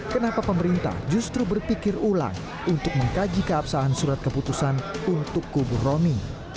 kenapa pemerintah justru berpikir ulang untuk mengkaji keabsahan surat keputusan untuk kubu romi